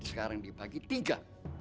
sekarang dibagi tiga